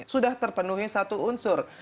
sudah terpenuhi satu unsur